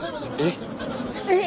えっ？